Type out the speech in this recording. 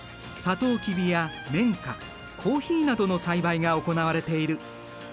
とうきびや綿花コーヒーなどの栽培が行われている。